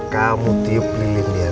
kamu tipe pilihan